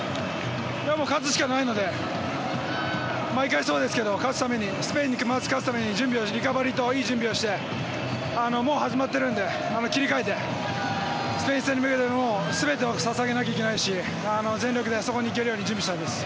勝つしかないので毎回そうですけど勝つためにスペインにまず勝つためにリカバリーといい準備をしてもう始まってるので切り替えてスペイン戦に向けて全てを捧げないといけないし全力でそこに行けるように準備したいです。